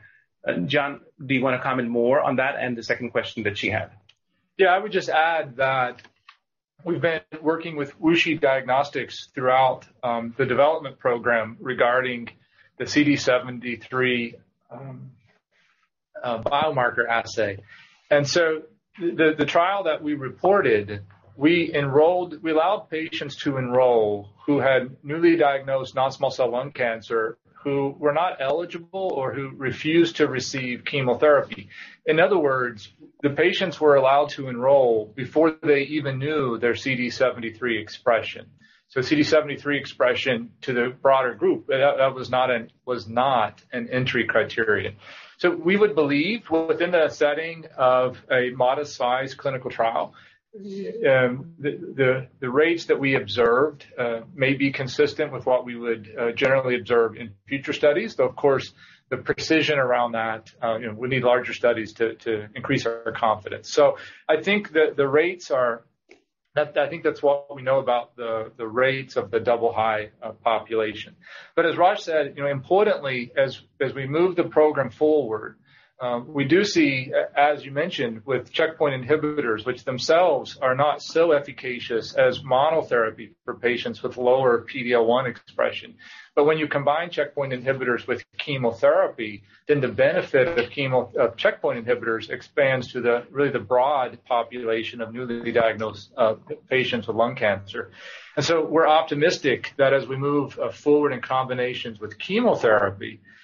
John, do you wanna comment more on that and the second question that she had? Yeah, I would just add that we've been working with WuXi Diagnostics throughout the development program regarding the CD73 biomarker assay. The, the trial that we reported, we allowed patients to enroll who had newly diagnosed non-small cell lung cancer, who were not eligible or who refused to receive chemotherapy. In other words, the patients were allowed to enroll before they even knew their CD73 expression. CD73 expression to the broader group, but that, that was not an entry criterion. We would believe within the setting of a modest-sized clinical trial, the, the, the rates that we observed may be consistent with what we would generally observe in future studies. Though, of course, the precision around that, you know, we need larger studies to, to increase our confidence. I think the, the rates are... I, I think that's what we know about the, the rates of the double-high population. As Raj said, you know, importantly, as, as we move the program forward, we do see, as you mentioned, with checkpoint inhibitors, which themselves are not so efficacious as monotherapy for patients with lower PD-L1 expression. When you combine checkpoint inhibitors with chemotherapy, then the benefit of chemo, checkpoint inhibitors expands to the, really the broad population of newly diagnosed patients with lung cancer. We're optimistic that as we move forward in combinations with chemotherapy, that, that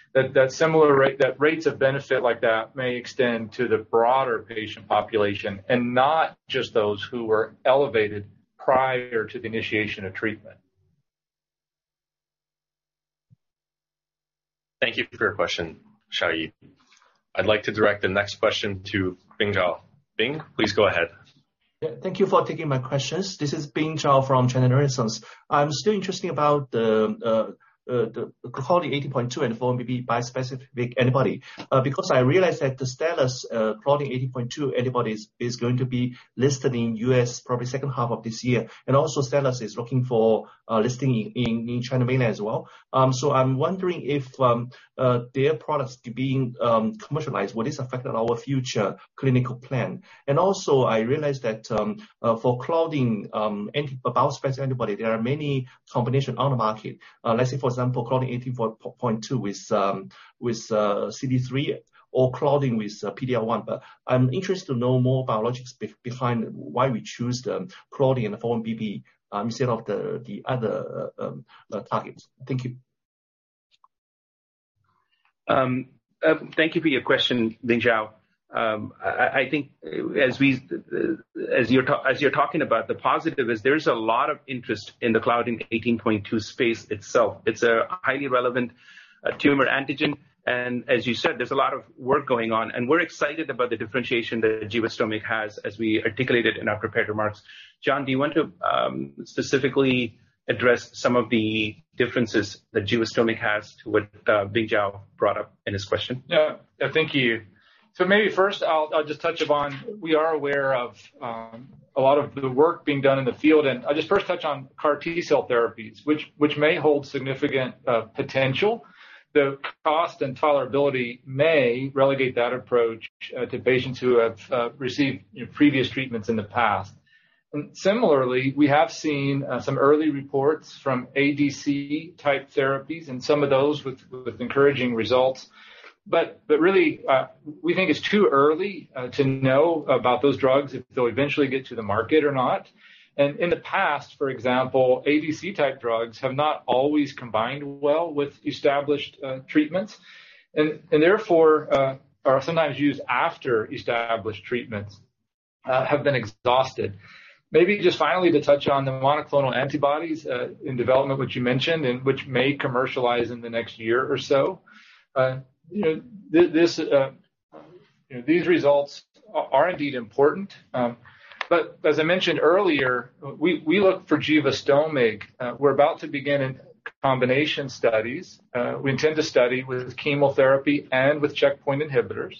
similar rate, that rates of benefit like that may extend to the broader patient population and not just those who were elevated prior to the initiation of treatment. Thank you for your question, Shayi. I'd like to direct the next question to Bing Zhao. Bing, please go ahead. Yeah, thank you for taking my questions. This is Bing Zhao from China Renaissance. I'm still interesting about the Claudin 18.2 and 4-1BB bispecific antibody. Because I realized that Status Claudin 18.2 antibodies is going to be listed in US, probably second half of this year, and also Status is looking for listing in China mainland as well. So I'm wondering if their products being commercialized, what is affecting our future clinical plan? I realized that for Claudin anti-bispecific antibody, there are many combination on the market. Let's say, for example, Claudin 18.2 with with CD3 or Claudin with PD-L1. I'm interested to know more biologics behind why we choose the claudin and 4-1BB instead of the other targets. Thank you. Thank you for your question, Bing Zhao. I, I, I think as we, as you're talking about, the positive is there's a lot of interest in the claudin 18.2 space itself. It's a highly relevant, tumor antigen, and as you said, there's a lot of work going on, and we're excited about the differentiation that givosomig has, as we articulated in our prepared remarks. John, do you want to specifically address some of the differences that givosomig has to what Bing Zhao brought up in his question? Yeah. Thank you. Maybe first I'll just touch upon. We are aware of a lot of the work being done in the field, and I'll just first touch on CAR T-cell therapies, which may hold significant potential. The cost and tolerability may relegate that approach to patients who have received previous treatments in the past. Similarly, we have seen some early reports from ADC-type therapies and some of those with encouraging results. Really, we think it's too early to know about those drugs if they'll eventually get to the market or not. In the past, for example, ADC-type drugs have not always combined well with established treatments, and therefore, are sometimes used after established treatments have been exhausted. Maybe just finally, to touch on the monoclonal antibodies in development, which you mentioned, and which may commercialize in the next year or so. You know, this, this, these results are indeed important, but as I mentioned earlier, we, we look for Givastomig. We're about to begin in combination studies. We intend to study with chemotherapy and with checkpoint inhibitors.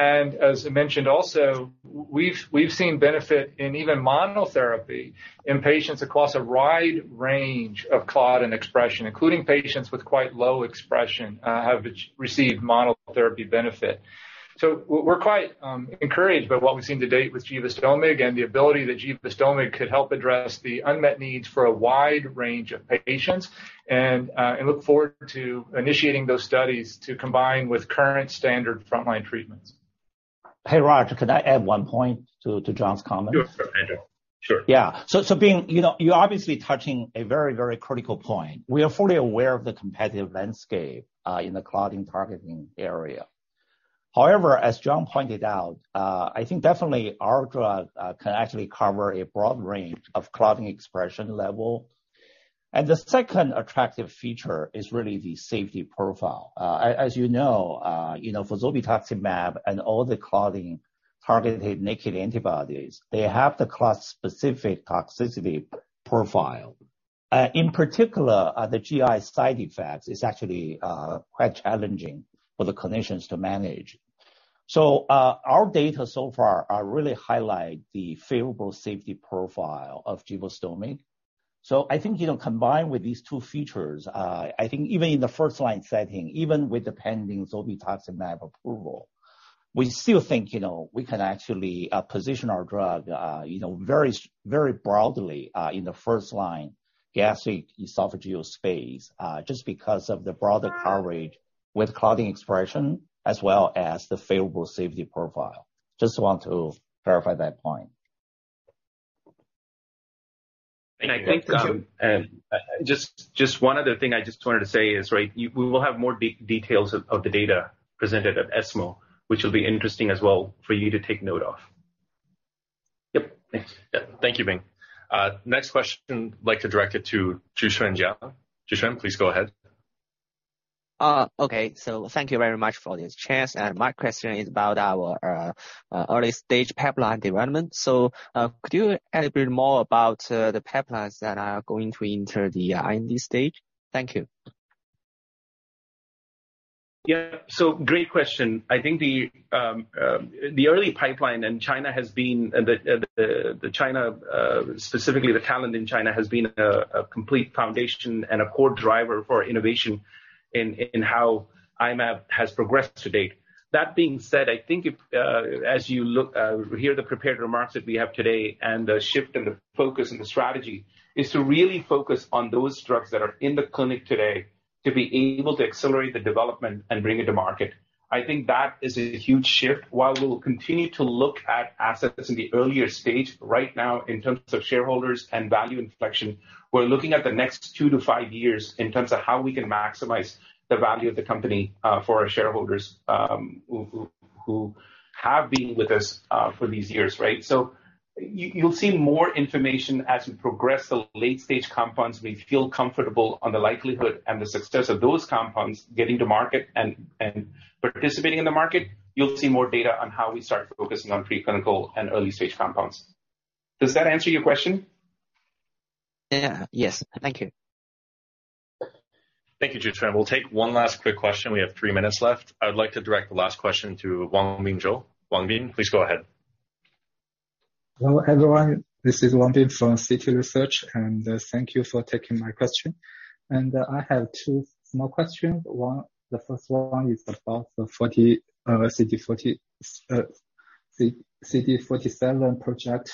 As I mentioned also, we've, we've seen benefit in even monotherapy in patients across a wide range of claudin expression, including patients with quite low expression, have received monotherapy benefit. We're, we're quite encouraged by what we've seen to date with Givastomig and the ability that Givastomig could help address the unmet needs for a wide range of patients, and look forward to initiating those studies to combine with current standard frontline treatments. Hey, Raj, could I add one point to John's comment? Sure, sure, Andrew. Sure. Yeah. Bing, you know, you're obviously touching a very, very critical point. We are fully aware of the competitive landscape in the claudin targeting area. However, as John pointed out, I think definitely our drug can actually cover a broad range of claudin expression level. The second attractive feature is really the safety profile. As, as you know, you know, for zolbetuximab and all the claudin-targeted naked antibodies, they have the claudin specific toxicity profile. In particular, the GI side effects is actually quite challenging for the clinicians to manage. Our data so far really highlight the favorable safety profile of Givastomig. I think, you know, combined with these two features, I think even in the first line setting, even with the pending zolbetuximab approval, we still think, you know, we can actually position our drug, you know, very broadly in the first line gastric esophageal space, just because of the broader coverage with claudin expression as well as the favorable safety profile. Just want to clarify that point. Thank you. just, just one other thing I just wanted to say is, right, you, we will have more details of the data presented at ESMO, which will be interesting as well for you to take note of. Yep. Thanks. Yeah. Thank you, Bing. Next question, I'd like to direct it to Juesheng Jiang. Juesheng, please go ahead. Okay. Thank you very much for this chance. My question is about our early-stage pipeline development. Could you elaborate more about the pipelines that are going to enter the IND stage? Thank you. Great question. I think the the early pipeline in China has been the the the China specifically the talent in China, has been a complete foundation and a core driver for innovation in how I-Mab has progressed to date. That being said, I think if as you look hear the prepared remarks that we have today and the shift in the focus and the strategy, is to really focus on those drugs that are in the clinic today, to be able to accelerate the development and bring it to market. I think that is a huge shift. While we will continue to look assets in the earlier stage. Right now, in terms of shareholders and value inflection, we're looking at the next two to five years in terms of how we can maximize the value of the company for our shareholders, who have been with us for these years, right? You'll see more information as we progress the late-stage compounds. We feel comfortable on the likelihood and the success of those compounds getting to market and participating in the market. You'll see more data on how we start focusing on preclinical and early-stage compounds. Does that answer your question? Yeah. Yes, thank you. Thank you, Juesheng. We'll take one last quick question. We have 3 minutes left. I would like to direct the last question to Wang Ming. Wang Ming, please go ahead. Hello, everyone. This is Wang Ming from CICC Research, thank you for taking my question. I have 2 small questions. One, the first one is about the CD47 project,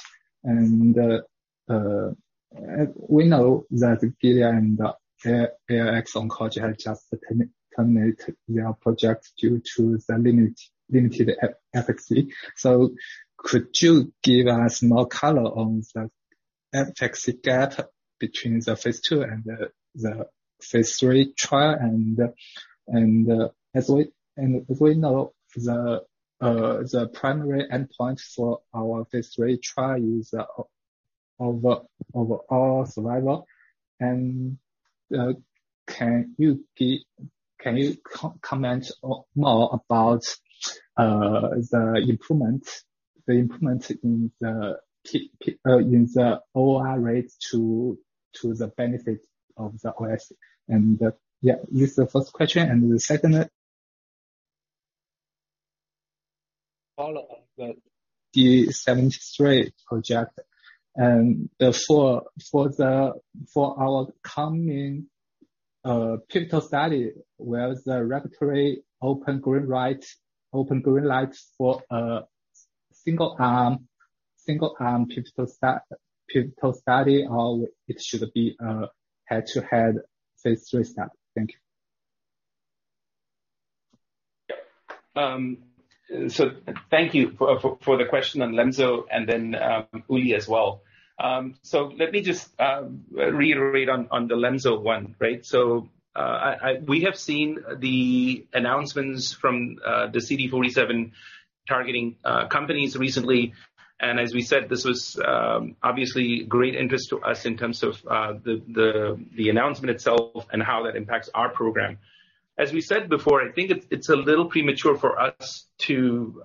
we know that Gilead Sciences and Axoncology have just terminated their project due to the limited efficacy. Could you give us more color on the efficacy gap between the phase 2 and the phase 3 trial? As we know, the primary endpoint for our phase 3 trial is overall survival. Can you comment more about the improvement, the improvement in the ORR to the benefit of the OS? Yeah, this is the first question, and the second follow on the D73 project. For our coming pivotal study, where the regulatory open green light, open green light for single arm, single arm pivotal study, or it should be head-to-head phase 3 study? Thank you. Thank you for, for, for the question on Lemzo and then uliledlimab as well. Let me just reiterate on the Lemzo one, right? We have seen the announcements from the CD47 targeting companies recently, and as we said, this was obviously great interest to us in terms of the announcement itself and how that impacts our program. As we said before, I think it's a little premature for us to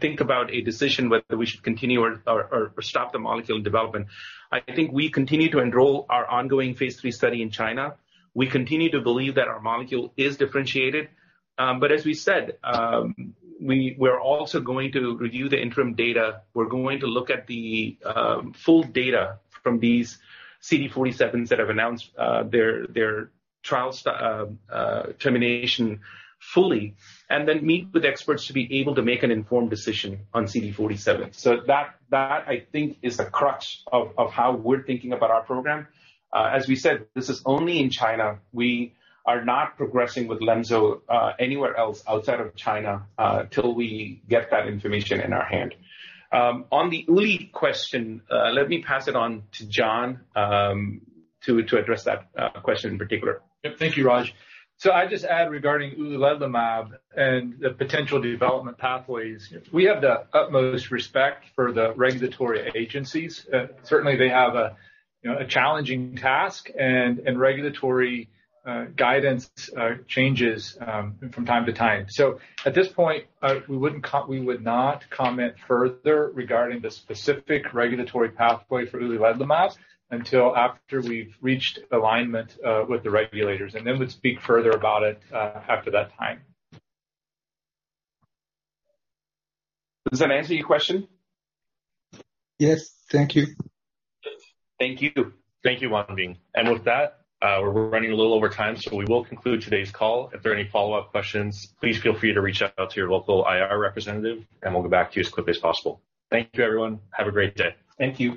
think about a decision whether we should continue or stop the molecule development. I think we continue to enroll our ongoing phase 3 study in China. We continue to believe that our molecule is differentiated. As we said, we're also going to review the interim data. We're going to look at the full data from these CD47s that have announced their, their trial termination fully, and then meet with experts to be able to make an informed decision on CD47. That, that, I think, is the crux of how we're thinking about our program. As we said, this is only in China. We are not progressing with Lemzo anywhere else outside of China till we get that information in our hand. On the uliledlimab question, let me pass it on to John to address that question in particular. Thank you, Raj. I'd just add regarding Uliledlimab and the potential development pathways. We have the utmost respect for the regulatory agencies. Certainly they have a, you know, a challenging task and, and regulatory guidance changes from time to time. At this point, we would not comment further regarding the specific regulatory pathway for Uliledlimab until after we've reached alignment with the regulators, and then we'd speak further about it after that time. Does that answer your question? Yes. Thank you. Thank you. Thank you, Wang Ming. With that, we're running a little over time, we will conclude today's call. If there are any follow-up questions, please feel free to reach out to your local IR representative, and we'll get back to you as quickly as possible. Thank you, everyone. Have a great day. Thank you.